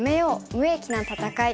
無益な戦い」。